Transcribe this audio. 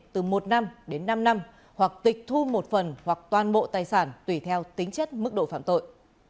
từ một năm đến năm năm hoặc tịch thu một phần hoặc toàn bộ tài sản tùy theo tính chất mức độ phạm tội